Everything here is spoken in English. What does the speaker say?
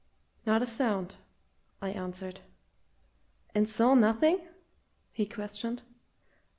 "Not a sound!" I answered. "And saw nothing?" he questioned.